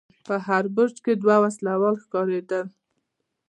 په هر برج کې دوه وسلوال ښکارېدل.